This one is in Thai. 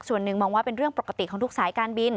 ส่วนหนึ่งมองว่าเป็นเรื่องปกติของทุกสายการบิน